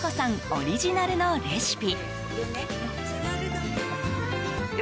オリジナルのレシピ。